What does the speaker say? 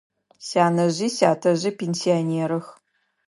Сянэжъи сятэжъи пенсионерых.